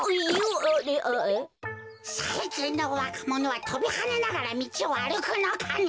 さいきんのわかものはとびはねながらみちをあるくのかね？